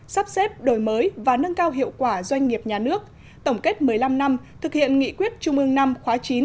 sắp xếp đổi mới và nâng cao hiệu quả doanh nghiệp nhà nước tổng kết một mươi năm năm thực hiện nghị quyết trung ương năm khóa chín